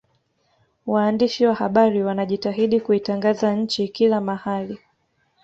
waandishi wa habari wanajitahidi kuitangaza nchi kila mahali